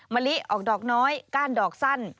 มะลิออกดอกน้อยก้านดอกสั้น